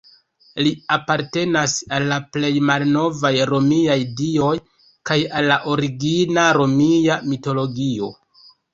Li apartenas al la plej malnovaj romiaj dioj kaj al la origina romia mitologio.